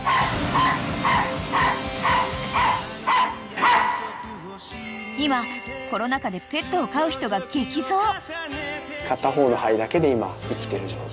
・［今コロナ禍でペットを飼う人が激増］